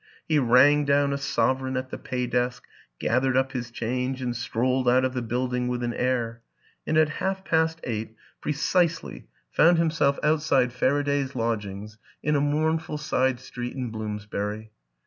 He rang down a sovereign at the pay desk, gathered up his change and strolled out of the building with an air and at half past eight precisely found himself outside WILLIAM AN ENGLISHMAN 11 Faraday's lodgings in a mournful side street in Bloomsbury.